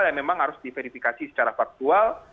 yang memang harus diverifikasi secara faktual